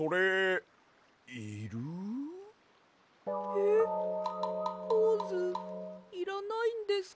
えっポーズいらないんですか？